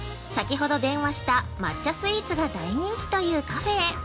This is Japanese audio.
先ほど電話した抹茶スイーツが大人気というカフェへ。